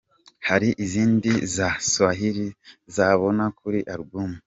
Hari izindi za Swahili bazabona kuri album.